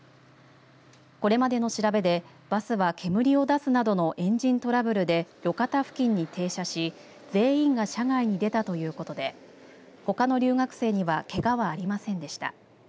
これまでの調べでバスは煙を出すなどのエンジントラブルで路肩付近に停車し全員が車外に出たということでほかの留学生にはけがはありませんでした。